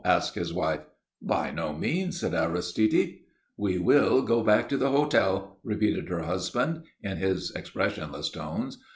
asked his wife. "By no means," said Aristide. "We will go back to the hotel," repeated her husband, in his expressionless tones.